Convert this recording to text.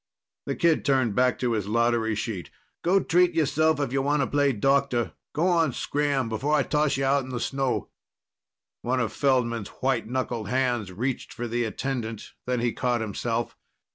The kid turned back to his lottery sheet. "Go treat yourself if you wanta play doctor. Go on, scram before I toss you out in the snow!" One of Feldman's white knuckled hands reached for the attendant. Then he caught himself.